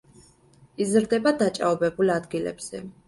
იზრდება დაჭაობებულ ადგილებზე.